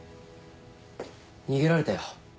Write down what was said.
逃げられたよ。